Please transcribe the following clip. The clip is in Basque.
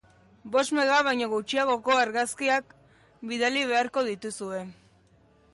Bost mega baino gutxiagoko argazkiak bidali beharko dituzue.